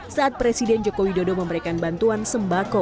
saat presiden jokowi dodo memberikan bantuan sembako